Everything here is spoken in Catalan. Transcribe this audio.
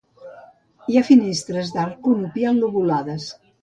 Hi ha finestres d'arc conopial lobulades.